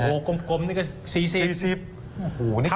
โอ้โฮกลมนี่ก็๔๐